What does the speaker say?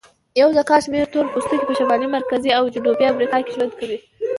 یو زیات شمیر تور پوستکي په شمالي، مرکزي او جنوبي امریکا کې ژوند کوي.